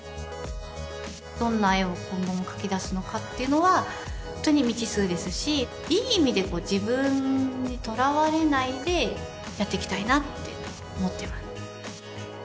どんな絵を今後も描き出すのかっていうのはホントに未知数ですしいい意味で自分にとらわれないでやっていきたいなって思っています